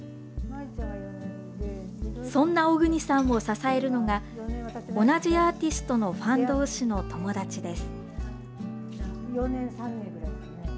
そんな小國さんを支えるのが同じアーティストのファン同士の友達です。